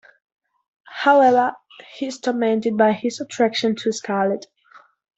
However, he is tormented by his attraction to Scarlett.